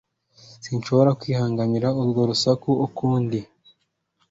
sinshobora kwihanganira urwo rusaku ukundi